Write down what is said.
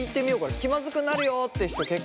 気まずくなるよって人結構。